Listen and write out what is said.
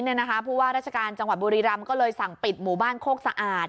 เพราะว่าราชการจังหวัดบุรีรำก็เลยสั่งปิดหมู่บ้านโคกสะอาด